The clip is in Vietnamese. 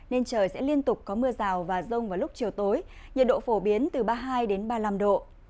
nên trời sẽ liên tục có mưa rào và rông vào lúc chiều tối nhiệt độ phổ biến từ ba mươi hai ba mươi năm độ